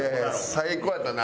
最高やったな。